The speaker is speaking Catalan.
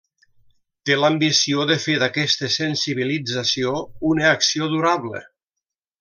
Té l'ambició de fer d'aquesta sensibilització una acció durable.